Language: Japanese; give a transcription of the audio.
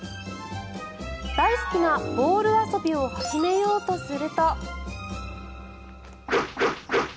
大好きなボール遊びを始めようとすると。